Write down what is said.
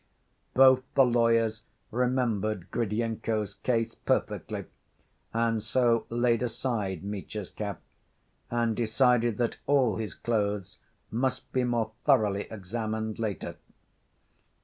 Both the lawyers remembered Gridyenko's case perfectly, and so laid aside Mitya's cap, and decided that all his clothes must be more thoroughly examined later.